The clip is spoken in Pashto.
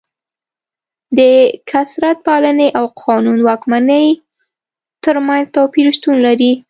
د کثرت پالنې او قانون واکمنۍ ترمنځ توپیر شتون لري.